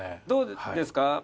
どうですか？